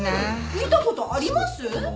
見た事あります？